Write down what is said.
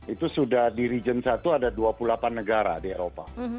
itu sudah di region satu ada dua puluh delapan negara di eropa